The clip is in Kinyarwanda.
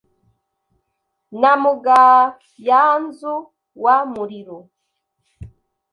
Na Mugayanzu wa Muriro